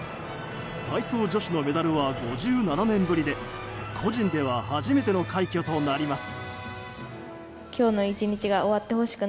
体操女子のメダルは５７年ぶりで個人では初めての快挙となります。